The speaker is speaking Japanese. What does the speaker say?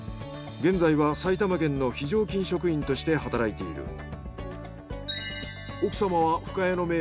現在は埼玉県の非常勤職員として働いている。